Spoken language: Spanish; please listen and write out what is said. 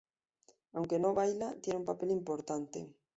Aunque no baila, tiene un papel importante.